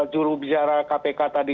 jurubisara kpk tadi